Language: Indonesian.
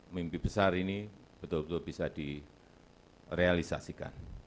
mimpi besar ini betul betul bisa direalisasikan